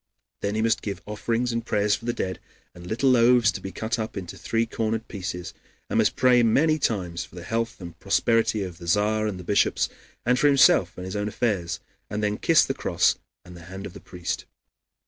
Then he must give offerings and prayers for the dead, and little loaves to be cut up into three cornered pieces, and must pray many times for the health and prosperity of the Tzar and the bishops, and for himself and his own affairs, and then kiss the cross and the hand of the priest.